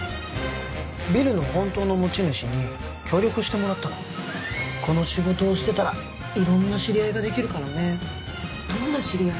ビルの本当の持ち主に協力してもらったのこの仕事をしてたら色んな知り合いができるからねどんな知り合い？